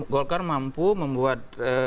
golkar mampu membuat